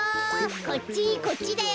こっちこっちだよ。